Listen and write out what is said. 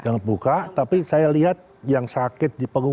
yang terbuka tapi saya lihat yang sakit di pembangunan